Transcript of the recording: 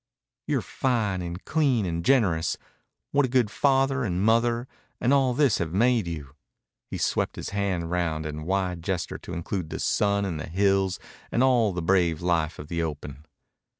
"You're fine and clean and generous what a good father and mother, and all this have made you." He swept his hand round in a wide gesture to include the sun and the hills and all the brave life of the open.